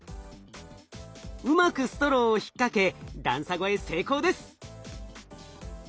うまくストローを引っ掛け段差越え成功です。